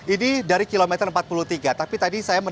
ini dari kilometer empat puluh tiga